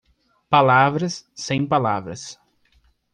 Palavras sem palavras